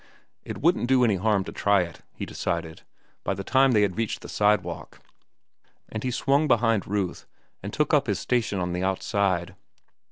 It wouldn't do any harm to try it, he decided, by the time they had reached the sidewalk; and he swung behind Ruth and took up his station on the outside.